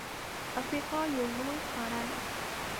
افریقا یو لوی قاره ده.